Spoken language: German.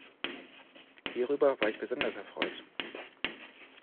Hierüber war ich besonders erfreut.